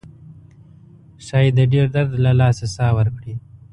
ښایي د ډیر درد له لاسه ساه ورکړي.